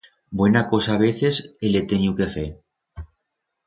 Buena cosa veces el he teniu que fer.